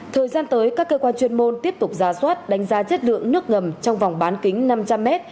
thời gian tới các cơ quan chuyên môn tiếp tục ra soát đánh giá chất lượng nước ngầm trong vòng bán kính năm trăm linh m